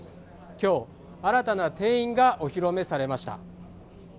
今日、新たな店員がお披露目されました。